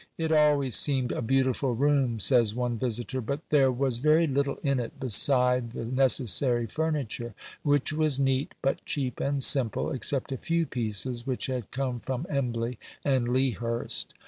"It always seemed a beautiful room," says one visitor, "but there was very little in it beside the necessary furniture, which was neat, but cheap and simple, except a few pieces which had come from Embley and Lea Hurst.